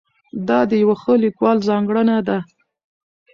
دا د یوه ښه لیکوال ځانګړنه ده.